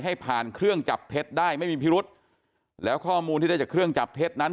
ให้ผ่านเครื่องจับเท็จได้ไม่มีพิรุษแล้วข้อมูลที่ได้จากเครื่องจับเท็จนั้น